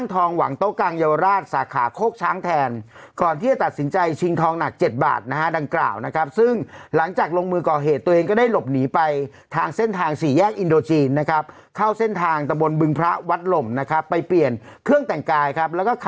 ต้องหาลูกเล็กเพราะจริงปกติลูกนึงบางทีเนี่ยมันเกินโลแล้ว